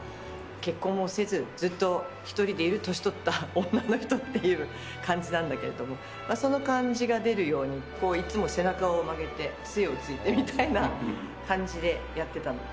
結婚をせず、ずっと独りでいる、年取った女の人っていう感じなんだけども、その感じが出るように、こう、いつも背中を曲げて、つえをついてみたいな感じでやってたので。